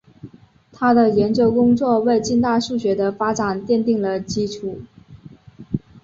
他的研究工作为近代数学的发展奠定了基础。